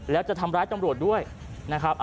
แล้วจะทำร้ายตำรวจด้วยนะครับ